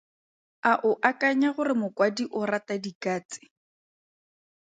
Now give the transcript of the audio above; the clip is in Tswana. A o akanya gore mokwadi o rata dikatse?